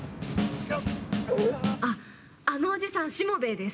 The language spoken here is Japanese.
あっあのおじさんしもべえです。